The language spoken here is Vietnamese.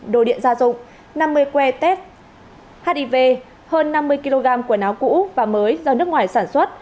đồ điện gia dụng năm mươi que tech hiv hơn năm mươi kg quần áo cũ và mới do nước ngoài sản xuất